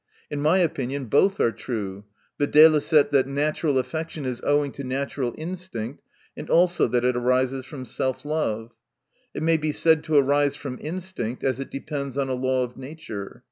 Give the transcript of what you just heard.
In my opinion, both are true, viz., that natural affection is owing to natural instinct, and also that it arises from self love. It may be said to arise from instinct, as it depends on a law of nature.